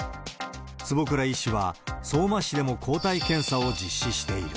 坪倉医師は相馬市でも抗体検査を実施している。